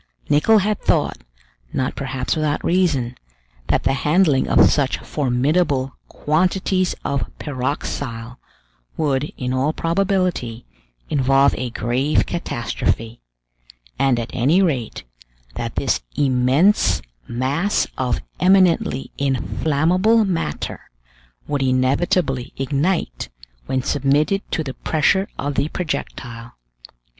Nicholl had thought, not perhaps without reason, that the handling of such formidable quantities of pyroxyle would, in all probability, involve a grave catastrophe; and at any rate, that this immense mass of eminently inflammable matter would inevitably ignite when submitted to the pressure of the projectile.